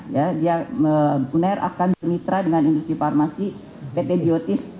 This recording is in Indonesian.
yang uner akan ditemitra dengan industri farmasi pt biotis